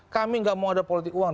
kami nggak mau ada politik uang